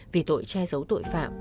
vì tội che giấu tội phạm